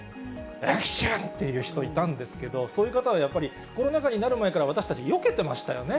へっくしゅんっていう人いたんですけど、そういう方はやっぱり、コロナ禍になる前から私たち、よけてましたよね。